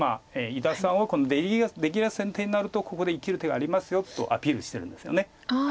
伊田さんはこの出切りは先手になるとここで生きる手がありますよとアピールしてるんですよね。